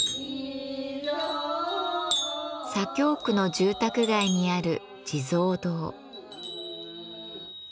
左京区の住宅街にある地蔵堂。